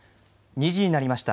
２時になりました。